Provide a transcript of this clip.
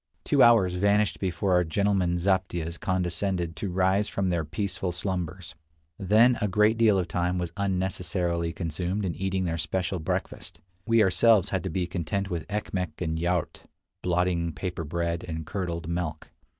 Two hours vanished before our gentlemen zaptiehs condescended to rise from their peaceful slumbers; then a great deal of time was unnecessarily consumed in eating their special breakfast. We ourselves had to be content with ekmek and II 57 yaourt (blotting paper bread and curdled milk).